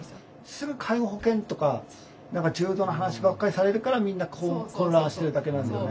すぐ介護保険とか重度の話ばっかりされるからみんな混乱してるだけなんだよね。